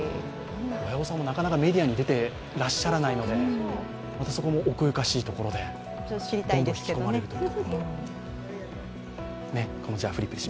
親御さんもなかなかメディアに出ていらっしゃらないので、またそこも奥ゆかしいところでどんどん引き込まれるというか。